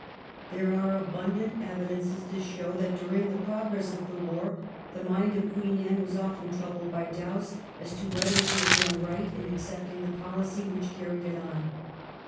There are abundant evidences to show that during the progress of the war the mind of Queen Anne was often troubled by doubts as to whether she had done right in accepting the pohcy which carried it on.